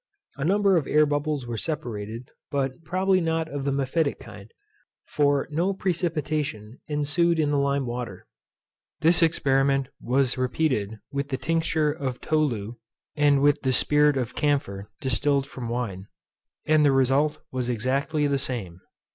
A number of air bubbles were separated, but probably not of the mephitic kind, for no precipitation ensued in the lime water. This experiment was repeated with the tinct. tolutanæ, ph. ed. and with sp, vinos. camp. and the result was entirely the same.